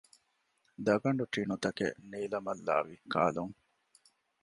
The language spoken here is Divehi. ދަގަނޑު ޓިނުތަކެއް ނީލަމްގައި ވިއްކާލުން